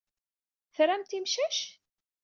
Tramt imcac?